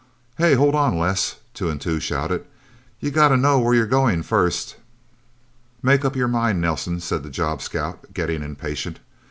"Hey hold on, Les!" Two and Two shouted. "You gotta know where you're going, first!" "Make up your mind, Nelsen," said the job scout, getting impatient.